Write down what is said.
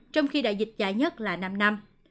trong khi đại dịch dài nhất là năm năm